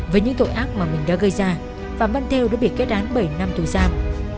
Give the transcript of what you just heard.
với những tội ác mà mình đã gây ra phạm văn theo đã bị kết án bảy năm tù giam